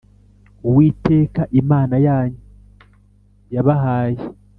Uwiteka Imana yanyu yabahaye